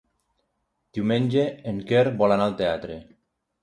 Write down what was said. Diumenge en Quer vol anar al teatre.